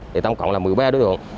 thì tổng cộng là một mươi ba đối tượng